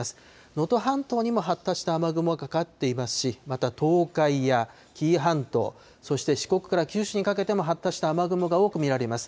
能登半島にも発達した雨雲、かかっていますし、また東海や紀伊半島、そして四国から九州にかけても発達した雨雲が多く見られます。